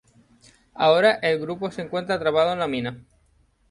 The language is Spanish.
Ahora el grupo se encuentra atrapado en la mina.